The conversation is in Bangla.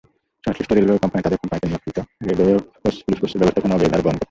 সংশ্লিষ্ট রেলওয়ে কোম্পানি তাদের কোম্পানিতে নিয়োগকৃত রেলওয়ে পুলিশ ফোর্সের ব্যবস্থাপনা ও ব্যয়ভার বহন করত।